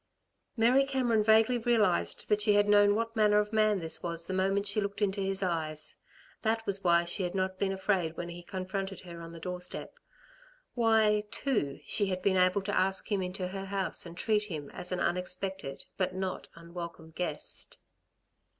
Mary Cameron vaguely realised that she had known what manner of man this was the moment she looked into his eyes. That was why she had not been afraid when he confronted her on the doorstep; why, too, she had been able to ask him into her house and treat him as an unexpected, but not unwelcome guest.